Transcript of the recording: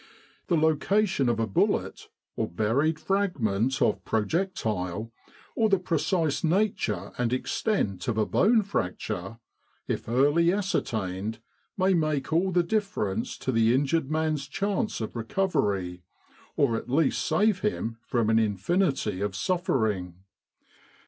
The location of a bullet or buried fragment of projectile, or the precise nature and extent of a bone fracture, if early ascertained, may make all the difference to the injured man's chance of recovery, or at least save him an infinity of suffering.